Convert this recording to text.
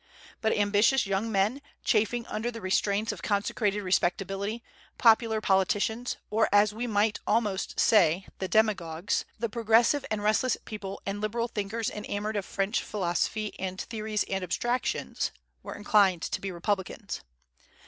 But ambitious young men, chafing under the restraints of consecrated respectability, popular politicians, or as we might almost say the demagogues, the progressive and restless people and liberal thinkers enamored of French philosophy and theories and abstractions, were inclined to be Republicans.